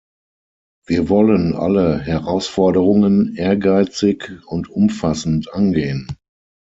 Wir wollen alle Herausforderungen ehrgeizig und umfassend angehen.